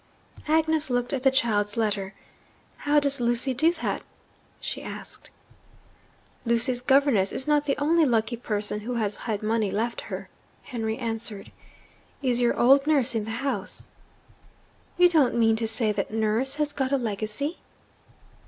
Agnes looked at the child's letter. 'How does Lucy do that?' she asked. 'Lucy's governess is not the only lucky person who has had money left her,' Henry answered. 'Is your old nurse in the house?' 'You don't mean to say that nurse has got a legacy?'